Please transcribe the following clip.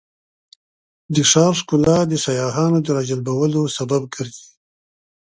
د ښار ښکلا د سیاحانو د راجلبولو سبب ګرځي.